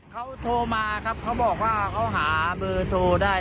เขาโทรมาครับเขาบอกว่าเขาหาเบอร์โทรได้